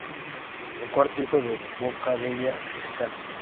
El cuarto hijo fue Boca della Scala.